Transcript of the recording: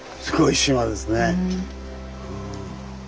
すごい島ですね。